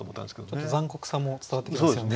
ちょっと残酷さも伝わってきますよね。